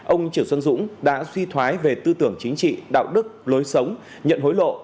ông triệu xuân dũng đã suy thoái về tư tưởng chính trị đạo đức lối sống nhận hối lộ